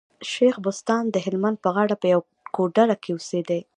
شېخ بستان د هلمند په غاړه په يوه کوډله کي اوسېدئ.